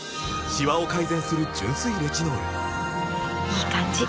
いい感じ！